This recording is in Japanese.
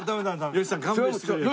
吉さん勘弁してくれよ。